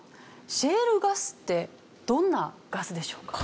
シェールガスってどんなガスでしょうか？